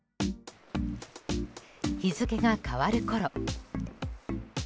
日付が変わるころ。